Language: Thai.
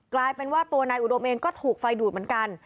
กลายเป็นว่าตัวนายอุดมเองก็ถูกไฟดูดเหมือนกัน